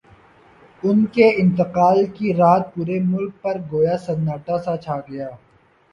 ان کے انتقال کی رات پورے ملک پر گویا سناٹا سا چھا گیا۔